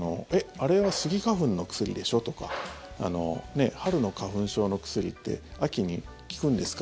あれはスギ花粉の薬でしょ？とか春の花粉症の薬って秋に効くんですか？